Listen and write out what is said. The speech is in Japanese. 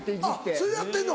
それでやってんの？